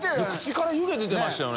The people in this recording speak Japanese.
㈭湯気出てましたよね？